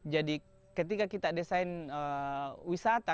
jadi ketika kita desain wisata